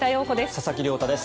佐々木亮太です。